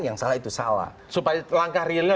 yang salah itu salah supaya langkah realnya